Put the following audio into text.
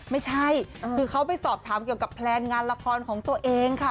ไม่ใช่คือเขาไปสอบถามเกี่ยวกับแพลนงานละครของตัวเองค่ะ